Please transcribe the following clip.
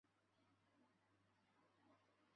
和政郡主夭折。